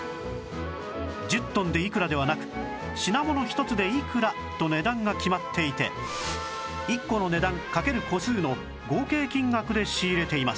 １０トンでいくらではなく品物１つでいくらと値段が決まっていて１個の値段掛ける個数の合計金額で仕入れています